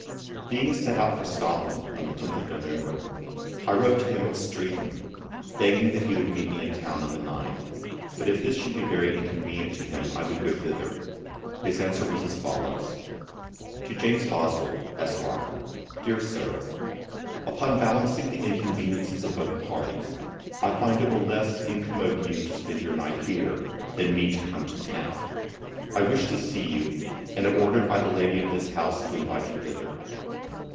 Being to set out for Scotland on the 10th of November, I wrote to him at Streatham, begging that he would meet me in town on the 9th; but if this should be very inconvenient to him, I would go thither. His answer was as follows: 'To JAMES BOSWELL, ESQ. 'DEAR SIR, 'Upon balancing the inconveniences of both parties, I find it will less incommode you to spend your night here, than me to come to town. I wish to see you, and am ordered by the lady of this house to invite you hither.